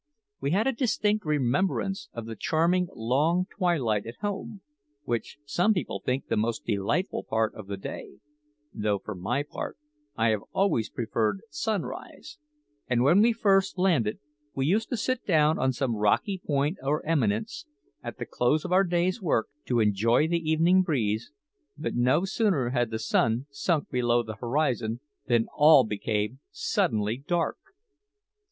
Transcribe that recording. We had a distinct remembrance of the charming long twilight at home, which some people think the most delightful part of the day though, for my part, I have always preferred sunrise; and when we first landed, we used to sit down on some rocky point or eminence, at the close of our day's work, to enjoy the evening breeze, but no sooner had the sun sunk below the horizon than all became suddenly dark.